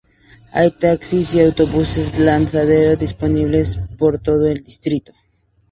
Hay Taxis y autobuses lanzadera disponibles por todo el distrito.